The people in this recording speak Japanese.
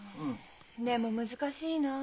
でも難しいなあ。